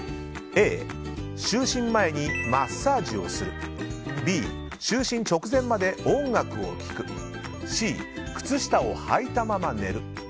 Ａ、就寝前にマッサージをするＢ、就寝直前まで音楽を聴くＣ、靴下をはいたまま寝る。